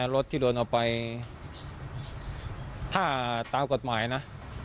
รถที่โดนเอาไปถ้าตามกฎหมายนะ